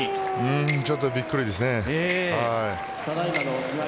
ちょっとびっくりですね。